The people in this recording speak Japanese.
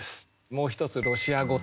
もう一つ「ロシア語」と。